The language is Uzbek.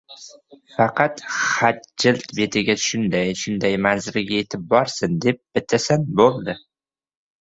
Faqat, xatjild betiga shunday-shunday manzilga yetib borsin, deb bitasan, bo‘ldi.